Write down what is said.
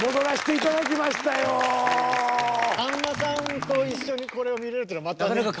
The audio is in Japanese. さんまさんと一緒にこれを見れるっていうのがまたね